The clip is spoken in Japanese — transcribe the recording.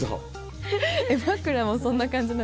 枕もそんな感じなんですか？